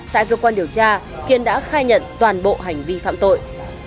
tại cơ quan điều tra kiên đã khai nhận toàn bộ hành vi phạm tội